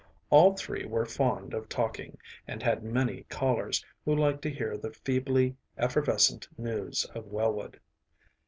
All three were fond of talking, and had many callers who liked to hear the feebly effervescent news of Wellwood.